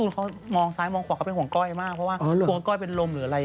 บางทีนางไม่ไหวนางก็ขึ้นรถเหรอเธอ